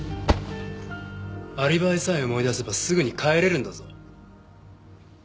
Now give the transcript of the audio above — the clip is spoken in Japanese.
アリバイさえ思い出せばすぐに帰れるんだぞ。